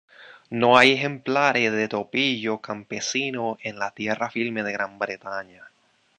No hay ejemplares de topillos campesinos en la tierra firme de Gran Bretaña.